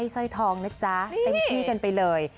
สร้อยทองนะจ๊ะเต็มที่กันไปเลย